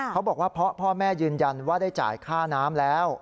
เขาบอกว่าเพราะพ่อแม่ยืนยันว่าได้จ่ายค่าน้ำแล้ว